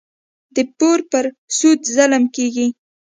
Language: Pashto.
د پور پر سود ظلم کېږي.